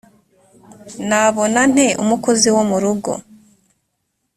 nabona nte umukozi wo mu rugo